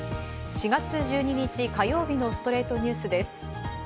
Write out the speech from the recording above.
４月１２日、火曜日の『ストレイトニュース』です。